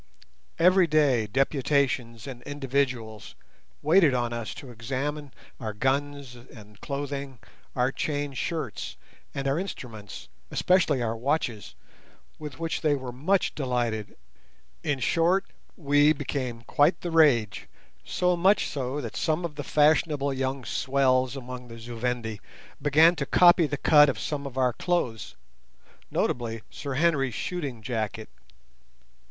Every day deputations and individuals waited on us to examine our guns and clothing, our chain shirts, and our instruments, especially our watches, with which they were much delighted. In short, we became quite the rage, so much so that some of the fashionable young swells among the Zu Vendi began to copy the cut of some of our clothes, notably Sir Henry's shooting jacket.